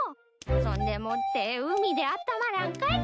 そんでもって海であったまらんかい？